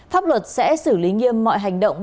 pháp luật sẽ xử lý nghiêm mọi hành động